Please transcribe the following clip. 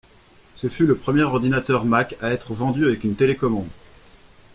Ce fut le premier ordinateur Mac à être vendu avec une télécommande.